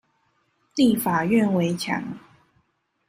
立法院圍牆